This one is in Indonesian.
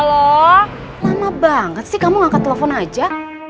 lama banget sih kamu angkat telepon aja